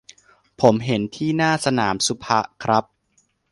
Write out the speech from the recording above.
ผมเห็นที่หน้าสนามศุภครับ